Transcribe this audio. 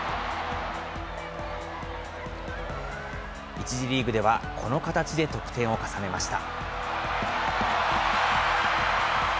１次リーグでは、この形で得点を重ねました。